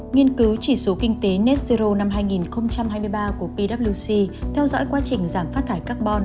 nghiên cứu chỉ số kinh tế net zero năm hai nghìn hai mươi ba của pwc theo dõi quá trình giảm phát thải carbon